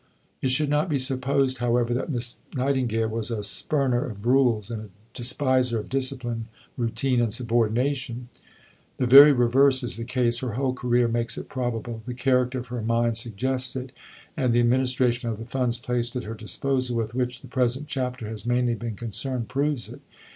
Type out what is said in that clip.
It should not be supposed, however, that Miss Nightingale was a spurner of rules, and a despiser of discipline, routine, and subordination. The very reverse is the case. Her whole career makes it probable, the character of her mind suggests it, and the administration of the funds placed at her disposal, with which the present chapter has mainly been concerned, proves it.